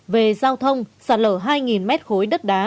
về giao thông sạt lở hai mét khối đất đá